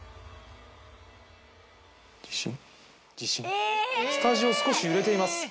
するとスタジオ少し揺れています